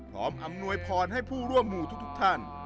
พร้อมอำนวยภอนตร์ให้ผู้ร่วมหมู่ทุกท่าน